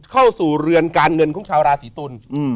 เข้าสู่เรือนการเงินของชาวราศีตุล